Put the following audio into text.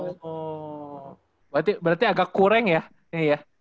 oh berarti agak kureng ya ini ya